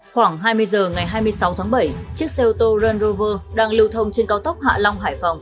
khoảng hai mươi h ngày hai mươi sáu tháng bảy chiếc xe ô tô rern rover đang lưu thông trên cao tốc hạ long hải phòng